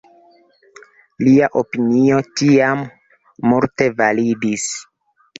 Lia opinio tiam multe validis.